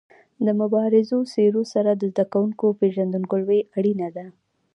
د مبارزو څېرو سره د زده کوونکو پيژندګلوي اړینه ده.